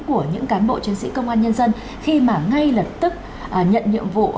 của những cán bộ chiến sĩ công an nhân dân khi mà ngay lập tức nhận nhiệm vụ